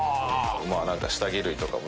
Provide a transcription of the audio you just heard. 下着類とかも。